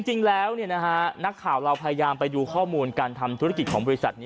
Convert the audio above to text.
จริงแล้วนักข่าวเราพยายามไปดูข้อมูลการทำธุรกิจของบริษัทนี้